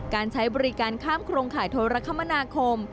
การใช้บริการข้ามโครงข่ายโทรคมนาคม